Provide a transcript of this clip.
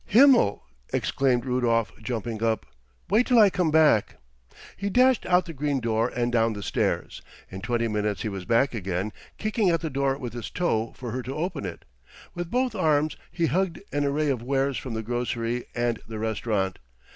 "Himmel!" exclaimed Rudolf, jumping up. "Wait till I come back." He dashed out the green door and down the stairs. In twenty minutes he was back again, kicking at the door with his toe for her to open it. With both arms he hugged an array of wares from the grocery and the restaurant.